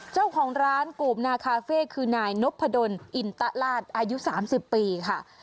เจ้าของร้านกูบนาคาเฟ่คือนายนพดลอินตะลาศอายุ๓๐ปีค่ะ